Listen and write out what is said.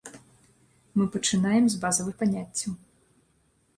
Мы пачынаем з базавых паняццяў.